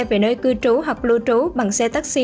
về nơi cư trú hoặc lưu trú bằng xe taxi